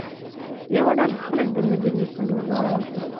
یوه ډله خلک د مدینې پر لور روان شول.